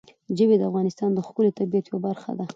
ژبې د افغانستان د ښکلي طبیعت یوه برخه ده.